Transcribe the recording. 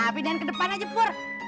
pindahan ke depan aja pur